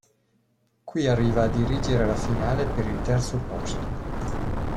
Qui arriva a dirigere la finale per il terzo posto.